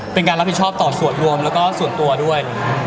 เป็นการรับผิดชอบต่อส่วนรวมแล้วก็ส่วนตัวด้วย